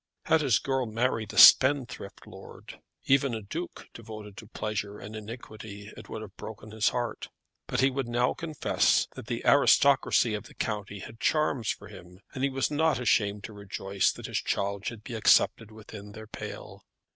Had his girl married a spendthrift lord, even a duke devoted to pleasure and iniquity, it would have broken his heart. But he would now confess that the aristocracy of the county had charms for him; and he was not ashamed to rejoice that his child should be accepted within their pale.